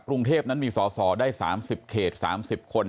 กรุงเทพนั้นมีสอสอได้สามสิบเขตสามสิบคน